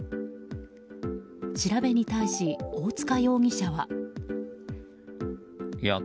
調べに対し、大塚容疑者は。